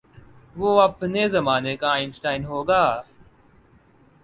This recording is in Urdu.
وہ اپنے زمانے کا آئن سٹائن ہو گا۔